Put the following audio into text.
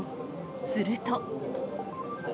すると。